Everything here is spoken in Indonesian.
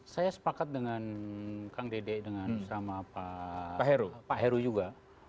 saya sepakat dengan kang dede dengan sama pak heru juga